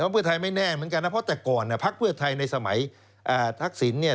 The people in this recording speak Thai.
เพื่อไทยไม่แน่เหมือนกันนะเพราะแต่ก่อนพักเพื่อไทยในสมัยทักษิณเนี่ย